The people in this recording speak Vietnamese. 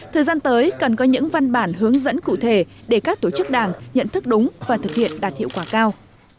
thời gian tới cần có những văn bản hướng dẫn cụ thể để các tổ chức đảng nhận thức đúng và thực hiện đạt hiệu quả cao